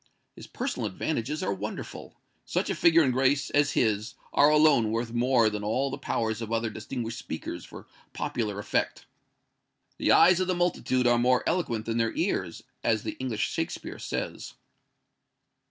His personal advantages are wonderful. Such a figure and grace as his are alone worth more than all the powers of other distinguished speakers for popular effect. 'The eyes of the multitude are more eloquent than their ears,' as the English Shakespeare says."